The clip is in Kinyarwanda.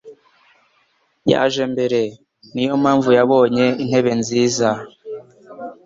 Yaje mbere. Niyo mpamvu yabonye intebe nziza.